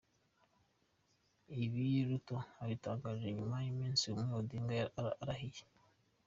Ibi Ruto abitangaje nyuma y’ umunsi umwe Odinga arahiye.